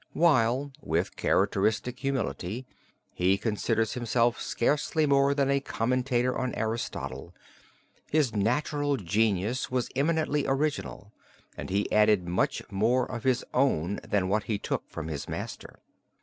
While, with characteristic humility, he considered himself scarcely more than a commentator on Aristotle, his natural genius was eminently original and he added much more of his own than what he took from his master.